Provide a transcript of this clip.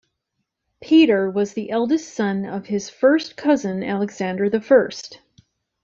Peter was the eldest son of his first cousin Alexander the First.